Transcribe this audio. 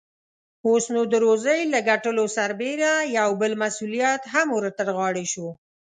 اوس، نو د روزۍ له ګټلو سربېره يو بل مسئوليت هم ور ترغاړې شو.